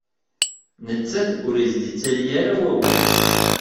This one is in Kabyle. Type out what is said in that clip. Nettat ur as-d-ittali ara wawal.